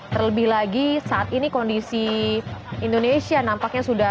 terlebih lagi saat ini kondisi indonesia nampaknya sudah